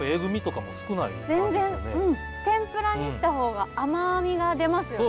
天ぷらにした方が甘みが出ますよね。